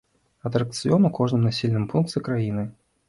Атракцыён у кожным населеным пункце краіны.